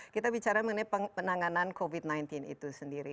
kita bicara mengenai penanganan covid sembilan belas itu sendiri